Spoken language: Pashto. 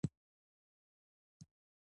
د کندهار په میوند کې د مرمرو نښې شته.